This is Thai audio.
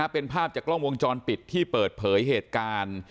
เป็นภาพจากกล้องวงจรปิดที่เปิดเผยเหตุการณ์